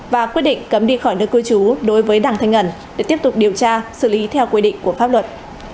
và quyết định cấm đi khỏi nước cư trú đối với đàng thanh ẩn để tiếp tục điều tra xử lý theo quy định của pháp luật